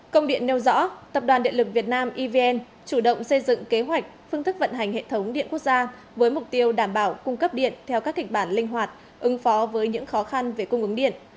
công điện nêu rõ tập đoàn điện lực việt nam evn chủ động xây dựng kế hoạch phương thức vận hành hệ thống điện quốc gia với mục tiêu đảm bảo cung cấp điện theo các kịch bản linh hoạt ứng phó với những khó khăn về cung ứng điện